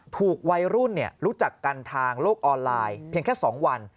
ถูกวัยรุ่นรู้จักกันทางโลกออนไลน์เพียงแค่๒วัน